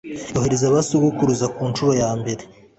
yohereza ba sogokuruza ku ncuro ya mbere